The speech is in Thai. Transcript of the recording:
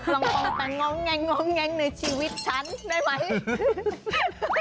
ลองมองแต่ง้องแงง้องแงงในชีวิตฉันได้ไหม